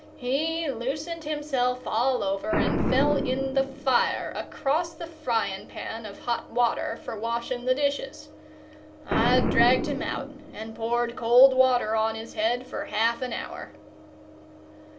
He loosened himself all over and fell in the fire across the frying pan of hot water for washing the dishes. I dragged him out and poured cold water on his head for half an hour.